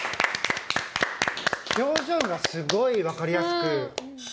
表情がすごいわかりやすく。